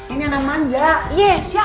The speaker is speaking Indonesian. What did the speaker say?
ini anak manja